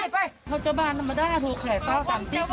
ชาวบ้านธรรมดาโภคแข่เฝ้า๓๐บาท